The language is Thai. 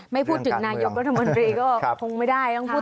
ไม่พูดถึงนายกรัฐมนตรีก็คงไม่ได้ต้องพูด